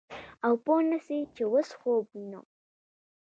او پوه نه سې چې اوس خوب وينم.